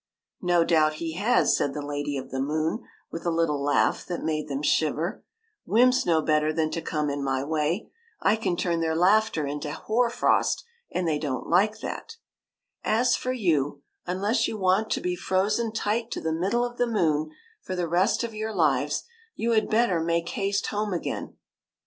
" No doubt he has," said the Lady of the Moon, with a little laugh that made them shiver. " Wymps know better than to come in my way. I can turn their laughter into WENT TO THE MOON 185 hoar frost, and they don^t like that. As for you, unless you want to be frozen tight to the middle of the moon for the rest of your lives, you had better make haste home again."